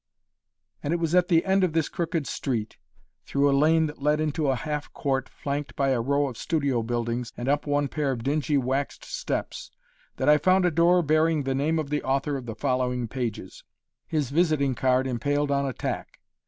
And it was at the end of this crooked street, through a lane that led into a half court flanked by a row of studio buildings, and up one pair of dingy waxed steps, that I found a door bearing the name of the author of the following pages his visiting card impaled on a tack.